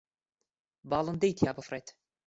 باڵندەی تیا بفڕێت